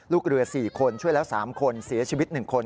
ลูกเรือ๔คนช่วยแล้ว๓คนเสียชีวิต๑คน